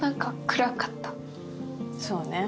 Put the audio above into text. そうね。